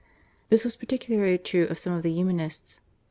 This was particularly true of some of the Humanists.